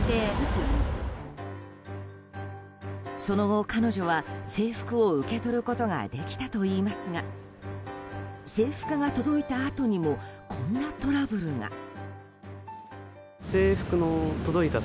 その後、彼女は制服を受け取ることができたといいますが制服が届いたあとにもこんなトラブルが。